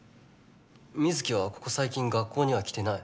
水城はここ最近学校には来てない。